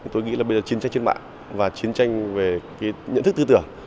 tôi nghĩ là bây giờ chiến tranh trên mạng và chiến tranh về nhận thức thư tưởng